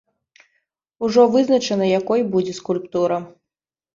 Ужо вызначана, якой будзе скульптура.